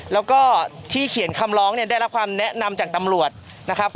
แล้วก็ที่เขียนคำร้องเนี่ยได้รับความแนะนำจากตำรวจนะครับ